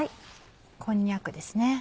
こんにゃくです。